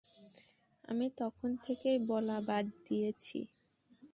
আমি তখন থেকেই বলা বাদ দিয়েছি।